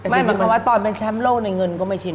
หมายความว่าตอนเป็นแชมป์โลกในเงินก็ไม่ชิน